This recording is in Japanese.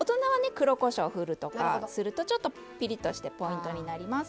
黒こしょうをふるとかするとちょっとピリッとしてポイントになります。